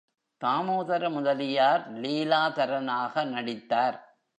தாமோதர முதலியார் லீலாதரனாக நடித்தார்.